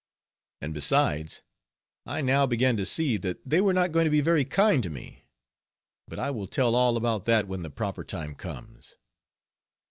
And besides, I now began to see, that they were not going to be very kind to me; but I will tell all about that when the proper time comes.